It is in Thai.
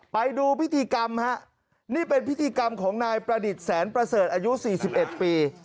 ไปดูพิธีกรรมฮะนี่เป็นพิธีกรรมของนายประดิษฐ์แสนประเสริฐอายุ๔๑ปี